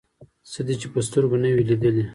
څه دې چې په سترګو نه وي لیدلي.